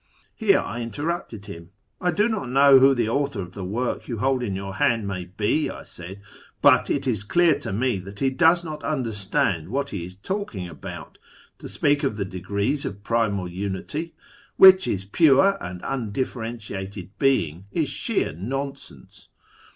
Here I interrupted him. ' I do not know who the author of the work you hold in your hand may be,' I said ' but it is clear to me that he does not understand what he is talking about. To speak of the degrees of Primal Unity, which is Pure and Undifi'erentiated Being, is sheer nonsense.'